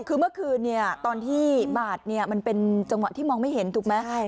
คือเมื่อคืนตอนที่บาดมันเป็นจังหวะที่มองไม่เห็นถูกไหม